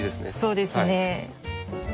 そうですね。